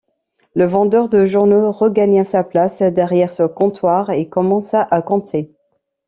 Le vendeur de journaux regagna sa place derrière son comptoir et commença à compter.